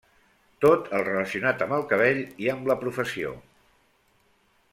Tot el relacionat amb el cabell i amb la professió.